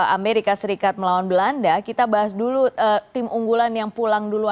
amerika serikat melawan belanda kita bahas dulu tim unggulan yang pulang dulu